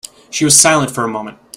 She was silent for a moment.